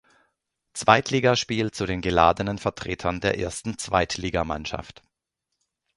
Zweitligaspiel zu den geladenen Vertretern der ersten Zweitligamannschaft.